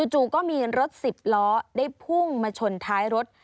จู่ก็มีรถ๑๐ล้อได้พุ่งมาชนท้ายรถ